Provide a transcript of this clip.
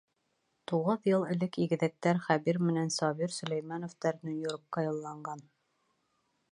Туғыҙ йыл элек игеҙәктәр Хәбир менән Сабир Сөләймәновтар Нью-Йоркка юлланған.